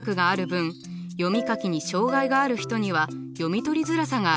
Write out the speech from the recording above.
読み書きに障害がある人には読み取りづらさがあります。